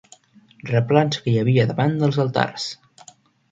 Replans que hi havia davant dels altars.